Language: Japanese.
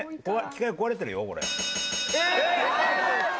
機械が壊れてるよこれ。